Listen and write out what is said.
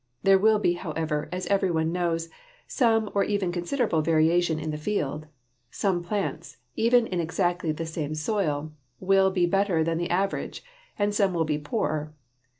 There will be, however, as every one knows, some or even considerable variation in the field. Some plants, even in exactly the same soil, will be better than the average, and some will be poorer.